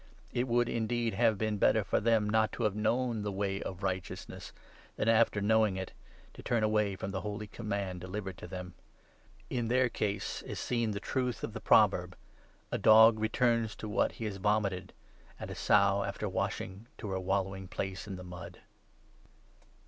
It would, indeed, have been 21 better for them not to have known the Way of Righteousness, than, after knowing it, to turn away from the holy Command delivered to them. In their case is seen the truth of the pro 22 verb — 'A dog returns to what he has vomited' and 'A sow after washing to her vvallowing place in the mud.' 9 Enoch 10. 6.